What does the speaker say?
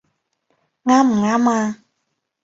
啱唔啱呀？